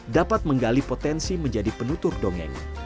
dapat menggali potensi menjadi penutur dongeng